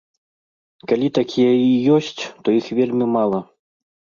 Калі такія і ёсць, то іх вельмі мала.